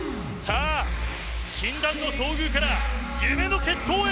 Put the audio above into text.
禁断の遭遇から、夢の決闘へ。